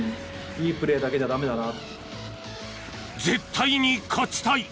絶対に勝ちたい。